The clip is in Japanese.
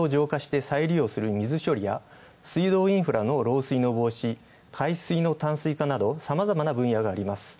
汚れた水を浄化して再利用する水処理や水道インフラの老衰の防止、海水の淡水化などさまざまな分野がある。